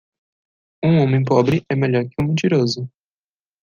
Um homem pobre é melhor que um mentiroso.